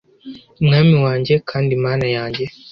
mwami wanjye, kandi mana yanjye